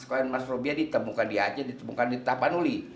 koin emas rubiah ditemukan di aceh ditemukan di tapanuli